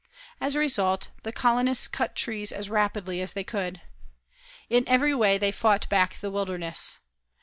As a result, the colonists cut trees as rapidly as they could. In every way they fought back the wilderness.